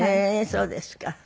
そうですか。